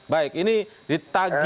baik ini ditagi